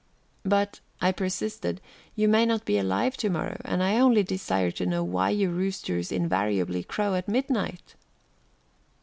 "But," I persisted, "you may not be alive to morrow, and I only desire to know why you roosters invariably crow at midnight?"